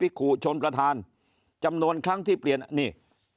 ขู่ชนประธานจำนวนครั้งที่เปลี่ยนอันนี้